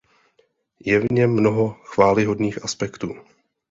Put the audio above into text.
Je v něm mnoho chvályhodných aspektů.